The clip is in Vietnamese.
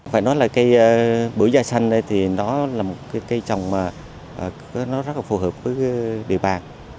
phải nói là cây bưởi da xanh này thì nó là một cây trồng rất là phù hợp với địa bàn